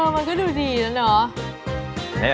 อ่อมันก็ดูดีด้วยหรอ